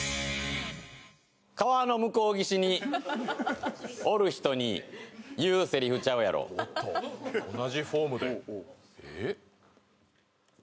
川の向こう岸におる人に言うセリフちゃうやろおっと同じフォームでええっ？